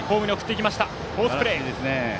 フォースプレー。